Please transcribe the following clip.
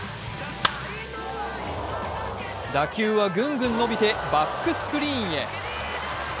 打球はぐんぐん伸びてバックスクリーンへ。